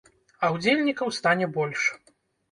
А удзельнікаў стане больш.